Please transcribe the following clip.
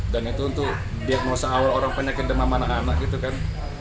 dan itu untuk diagnosa awal orang penyakit demam anak anak gitu kan